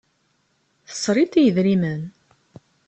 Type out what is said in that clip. Tesriḍ i yedrimen.